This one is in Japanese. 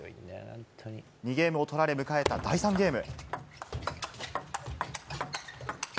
２ゲームを取られ、迎えた第３ゲーム。